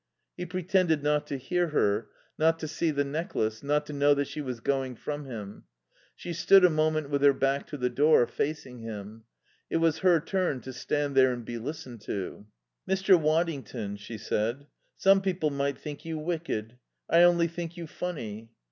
He pretended not to hear her, not to see the necklace, not to know that she was going from him. She stood a moment with her back to the door, facing him. It was her turn to stand there and be listened to. "Mr. Waddington," she said, "some people might think you wicked. I only think you funny."